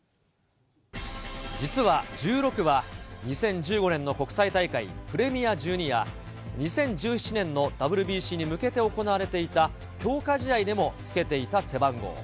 実は１６は、２０１５年の国際大会、プレミア１２や、２０１７年のＷＢＣに向けて行われていた強化試合でもつけていた背番号。